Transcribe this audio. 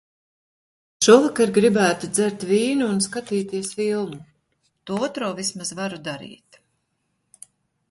Šovakar gribētu dzert vīnu un skatīties filmu. To otro vismaz varu darīt.